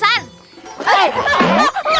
ada neng aida